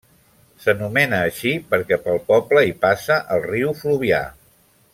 S'anomena així perquè pel poble hi passa el riu Fluvià.